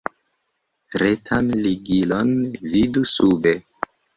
Retan ligilon vidu sube.